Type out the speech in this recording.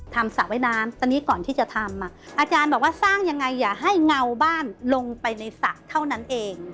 สระว่ายน้ำตอนนี้ก่อนที่จะทำอาจารย์บอกว่าสร้างยังไงอย่าให้เงาบ้านลงไปในสระเท่านั้นเอง